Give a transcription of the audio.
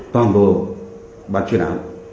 toàn bộ ban chuyên án